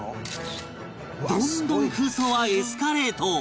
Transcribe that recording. どんどん空想はエスカレート